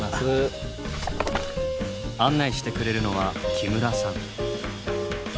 案内してくれるのは木村さん。